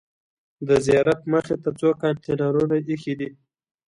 د زیارت مخې ته څو کانتینرونه ایښي دي.